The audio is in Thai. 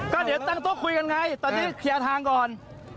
ก็เดี๋ยวตั้งโต๊ะคุยกันไงตอนนี้เคลียร์ทางก่อน